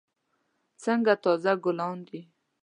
څنګه تازه ګلان دي.